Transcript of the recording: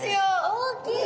大きい！